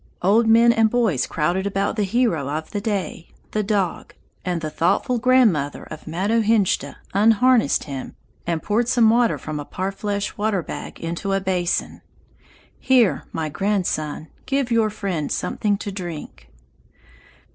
Old men and boys crowded about the hero of the day, the dog, and the thoughtful grandmother of Matohinshda unharnessed him and poured some water from a parfleche water bag into a basin. "Here, my grandson, give your friend something to drink."